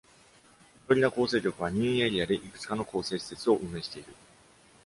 フロリダ更生局は、任意エリアでいくつかの更生施設を運営している。